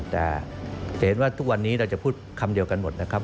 แต่จะเห็นว่าทุกวันนี้เราจะพูดคำเดียวกันหมดนะครับ